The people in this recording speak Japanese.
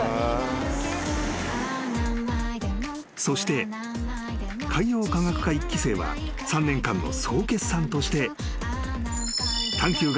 ［そして海洋科学科１期生は３年間の総決算として］